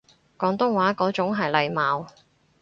廣東話嗰種係體貌